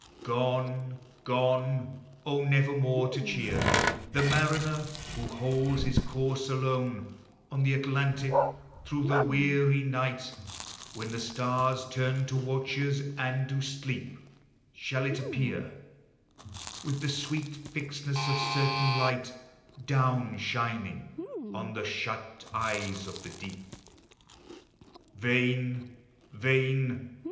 Gone, gone! Oh, never more to cheer The mariner who holds his course alone On the Atlantic, through the weary night, When the stars turn to watchers, and do sleep, Shall it appear, With the sweet fixedness of certain light, Down shining on the shut eyes of the deep. Vain, vain!